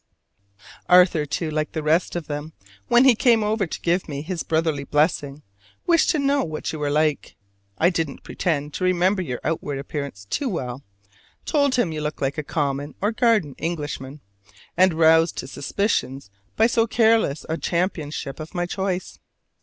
Arthur, too, like the rest of them, when he came over to give me his brotherly blessing, wished to know what you were like. I didn't pretend to remember your outward appearance too well, told him you looked like a common or garden Englishman, and roused his suspicions by so careless a championship of my choice.